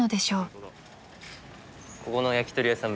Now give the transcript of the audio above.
ここの焼き鳥屋さん